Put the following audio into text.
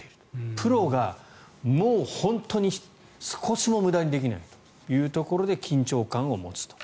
プロがもう本当に、少しも無駄にできないというところで緊張感を持つと。